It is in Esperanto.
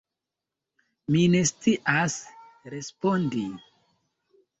Mi ne scias respondi.